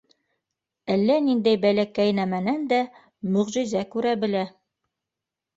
Әллә ниндәй бәләкәй нәмәнән дә мөғжизә күрә белә.